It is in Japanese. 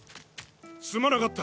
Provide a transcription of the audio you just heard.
すまなかった！